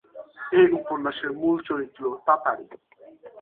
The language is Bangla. এ উপন্যাসের মূল চরিত্র তাতারী।